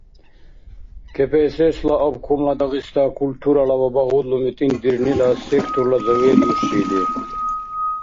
КПСС-ла обкомла Дагъиста культурала ва багьудлуми тӀинтӀдирнила секторла заведующийли.